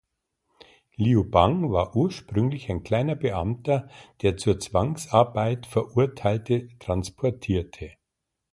Liu Bang war ursprünglich ein kleiner Beamter, der zur Zwangsarbeit Verurteilte transportierte.